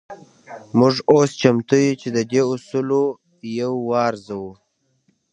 موږ اوس چمتو يو چې د دې اصولو يو وارزوو.